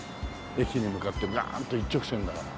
駅に向かってガーンと一直線だから。